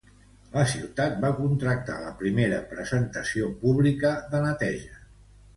La ciutat va contractar la primera presentació pública de neteja.